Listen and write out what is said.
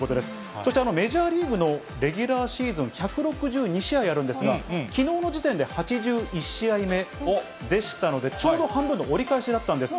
そしてメジャーリーグのレギュラーシーズン１６２試合あるんですが、きのうの時点で８１試合目でしたので、ちょうど半分と折り返しだったんです。